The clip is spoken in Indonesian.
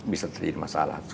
bisa terjadi masalah